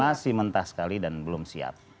masih mentah sekali dan belum siap